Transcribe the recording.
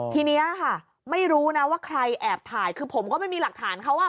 ทีนี้ค่ะไม่รู้นะว่าใครแอบถ่ายคือผมก็ไม่มีหลักฐานเขาอ่ะ